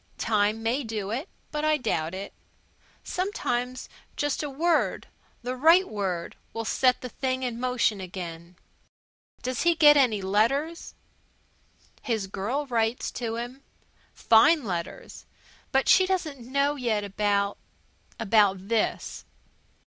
"Time may do it but I doubt it. Sometimes just a word the right word will set the thing in motion again. Does he get any letters?" "His girl writes to him. Fine letters. But she doesn't know yet about about this.